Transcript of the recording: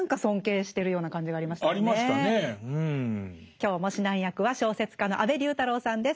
今日も指南役は小説家の安部龍太郎さんです。